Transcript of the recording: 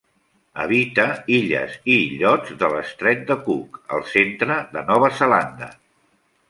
Habita illes i illots de l'Estret de Cook, al centre de Nova Zelanda.